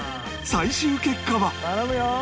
最終結果は